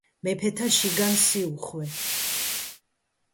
მეფეთა შიგან სიუხვე